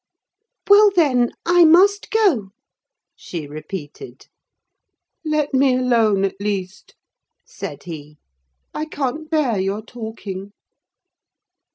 "Well, then, I must go?" she repeated. "Let me alone, at least," said he; "I can't bear your talking."